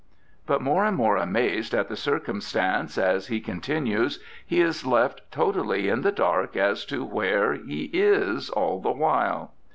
But more and more amazed at the circumstance as he continues he is left totally in the dark as to where he is all the while.